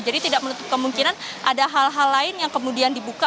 jadi tidak menutup kemungkinan ada hal hal lain yang kemudian dibuka